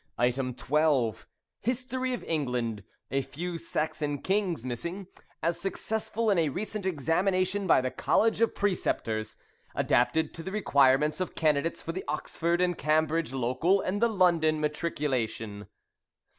12. History of England (a few Saxon kings missing), as successful in a recent examination by the College of Preceptors. Adapted to the requirements of candidates for the Oxford and Cambridge Local and the London Matriculation.